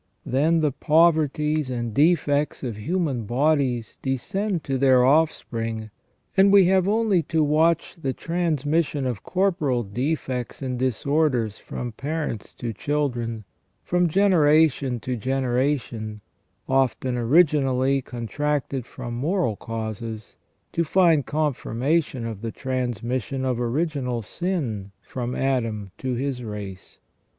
Then the poverties and defects of human bodies descend to their offspring, and we have only to watch the transmission of corporal defects and disorders from parents to children, from generation to generation, often originally contracted from moral causes, to find confirmation of the transmission of original evil from Adam to his race.